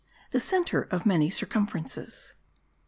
THE CENTER OF MANY CIRCUMFERENCES.